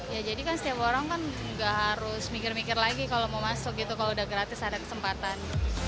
ya jadi kan setiap orang kan nggak harus mikir mikir lagi kalau mau masuk gitu kalau udah gratis ada kesempatan